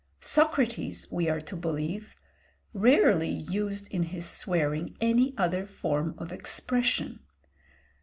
Socrates, we are to believe, rarely used in his swearing any other form of expression.